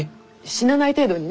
死なない程度にね。